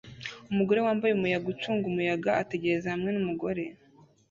Umugore wambaye umuyaga ucunga umuyaga ategereza hamwe numugore